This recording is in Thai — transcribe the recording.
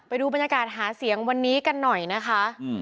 ไปดูบรรยากาศหาเสียงวันนี้กันหน่อยนะคะ